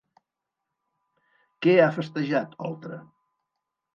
Què ha festejat Oltra?